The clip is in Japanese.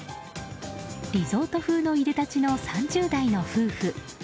リゾート風のいでたちの３０代の夫婦。